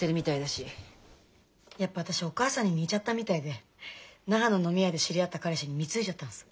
やっぱ私お母さんに似ちゃったみたいで那覇の飲み屋で知り合った彼氏に貢いじゃったんす。